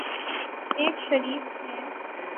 ایک شریف ہیں۔